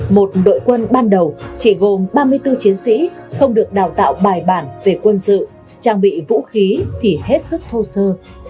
một đội quân ban đầu chỉ gồm ba mươi bốn chiến sĩ không được đào tạo bài bản về quân sự trang bị vũ khí thì hết sức thô sơ